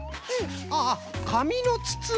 ああかみのつつな。